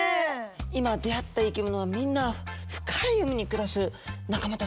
今出会った生き物はみんな深い海に暮らす仲間たちなんですね。